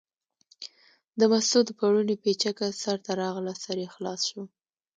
د مستو د پړوني پیڅکه سر ته راغله، سر یې خلاص شو.